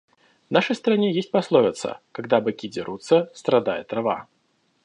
В нашей стране есть пословица: когда быки дерутся, страдает трава.